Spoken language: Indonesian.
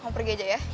mau pergi aja ya